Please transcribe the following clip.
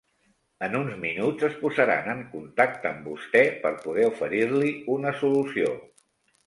En uns minuts es posaran en contacte amb vostè per poder oferir-li una solució.